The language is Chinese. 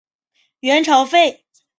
元朝废。